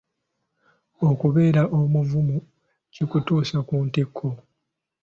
Okubeera omuvumu kikutuusa ku ntikko.